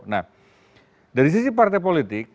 nah dari sisi partai politik